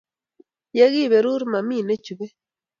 Ye kiberur mami nechubei